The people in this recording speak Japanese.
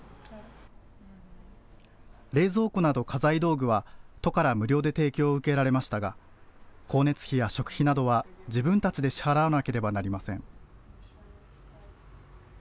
冷蔵庫など家財道具は、都から無料で提供を受けられましたが、光熱費や食費などは、自分たちで支払わなければなりません。